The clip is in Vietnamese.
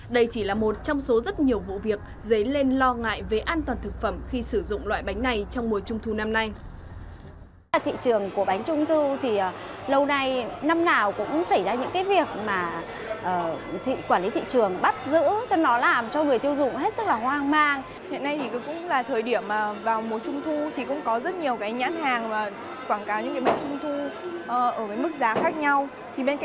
đây chỉ là một trong số rất nhiều vụ việc dấy lên lo ngại về an toàn thực phẩm khi sử dụng loại bánh này trong mùa trung thu năm nay